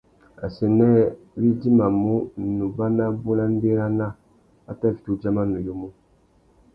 Assênē wá idjimamú, nubá nabú na ndérana, wa tà fiti udjama nuyumu.